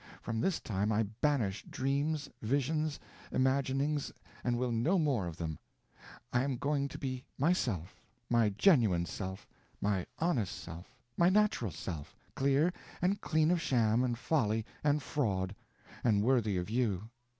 From this time I banish dreams, visions, imaginings, and will no more of them. I am going to be myself—my genuine self, my honest self, my natural self, clear and clean of sham and folly and fraud, and worthy of you.